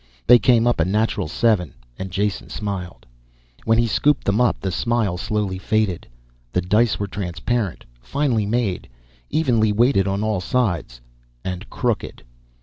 They came up a natural seven and Jason smiled. When he scooped them up the smile slowly faded. The dice were transparent, finely made, evenly weighted on all sides and crooked.